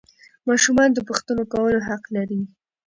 ماشومان د پوښتنو کولو حق لري